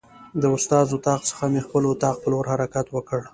د استاد اتاق څخه مې خپل اتاق په لور حرکت وکړ.